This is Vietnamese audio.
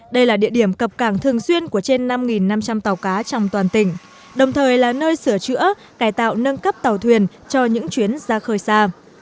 đây là địa điểm cập cảng thường xuyên của trên năm năm trăm linh tàu cá trong toàn tỉnh đồng thời là nơi sửa chữa cải tạo nâng cấp tàu thuyền cho những chuyến ra khơi xa